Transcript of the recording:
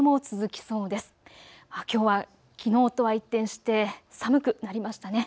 きょうはきのうとは一転して寒くなりましたね。